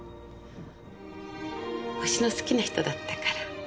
星の好きな人だったから。